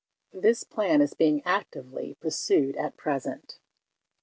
This plan is being actively pursued at present.